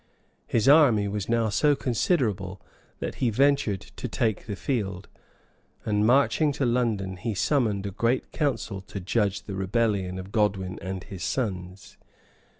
Hia army was now so considerable, that he ventured to take the field; and marching to London, he summoned a great council to judge of the rebellion of Godwin and his sons.